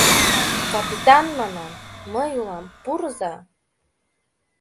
— Капитан, — манам, — мый улам, пурыза.